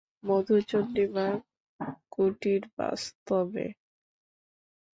মধুচন্দ্রিমা কুটির, বাস্তবে।